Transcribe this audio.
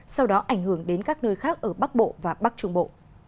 sau đó ảnh hưởng đến các nơi khác ở bắc bộ và bắc trung bộ